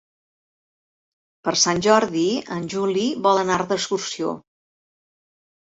Per Sant Jordi en Juli vol anar d'excursió.